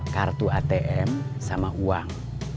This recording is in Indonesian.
kartu atm sama uang